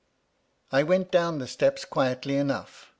I went down the steps quietly enough.